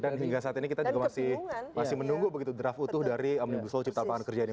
dan hingga saat ini kita masih menunggu draft utuh dari omnibus law cipta latar kerja ini